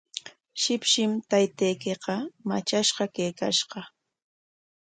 Shipshim taytaykiqa matrashqa kaykashqa.